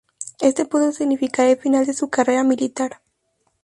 Esto pudo significar el final de su carrera militar.